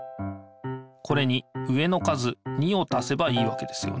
これに上の数２をたせばいいわけですよね。